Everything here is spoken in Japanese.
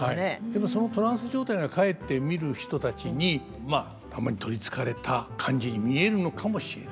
でもそのトランス状態がかえって見る人たちに玉に取りつかれた感じに見えるのかもしれない。